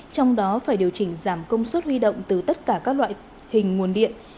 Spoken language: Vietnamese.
trong đó phải điều chỉnh giảm công suất huy động từ tất cả các loại hình nguồn điện